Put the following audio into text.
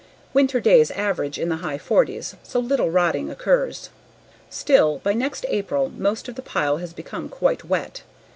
Winter days average in the high 40s, so little rotting occurs. Still, by next April most of the pile has become quite wet.